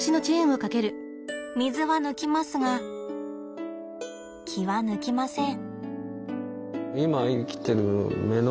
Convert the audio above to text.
水は抜きますが気は抜きません。